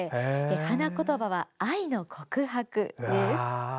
花言葉は愛の告白です。